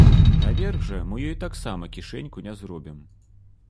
Наверх жа мы ёй таксама кішэньку не зробім.